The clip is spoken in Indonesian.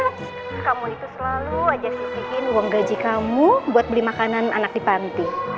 kamu itu selalu ajak ajakin uang gaji kamu buat beli makanan anak di pantai